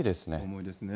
重いですね。